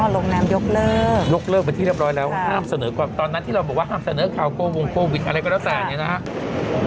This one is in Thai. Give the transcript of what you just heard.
ลงนามยกเลิกยกเลิกไปที่เรียบร้อยแล้วห้ามเสนอความตอนนั้นที่เราบอกว่าห้ามเสนอข่าวโกวงโควิดอะไรก็แล้วแต่เนี่ยนะครับ